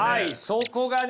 そこがね